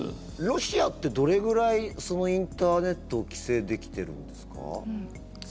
ロシアってどれぐらいインターネットを規制できてるんですか？